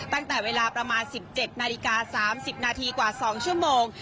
ตั้งแต่เวลาประมาณ๑๗นาฬิกา๓๐นาทีกว่า๒ชั่วโมง